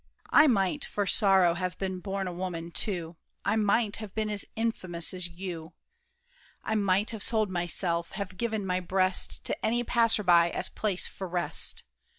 I might, For sorrow, have been born a woman too. I might have been as infamous as you. I might have sold myself, have given my breast To any passer by, as place for rest.